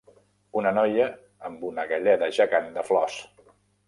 Una noia amb una galleda gegant de flors.